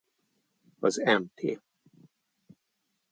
Az Mt.